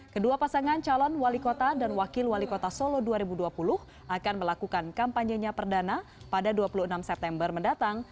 kedua pasangan calon wali kota dan wakil wali kota solo dua ribu dua puluh akan melakukan kampanye nya perdana pada dua puluh enam september mendatang